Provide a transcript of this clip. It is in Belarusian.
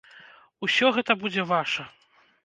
Усё гэта будзе ваша!